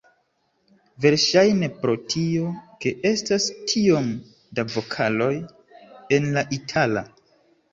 Verŝajne pro tio, ke estas tiom da vokaloj en la itala.